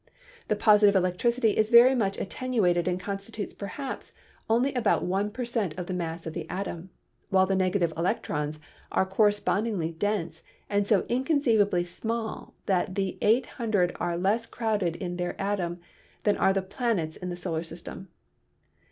The positive electricity is very much attenuated and constitutes perhaps only about one per cent of the mass of the atom, while the negative electrons are correspondingly dense and so inconceivably small that the eight hundred are less crowded in their atom than are the planets in the solar system.